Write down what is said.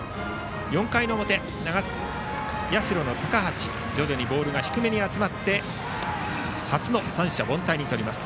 ４回の表、社の高橋徐々にボールが低めに集まって初の三者凡退にとります。